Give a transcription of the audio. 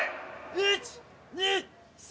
１２３。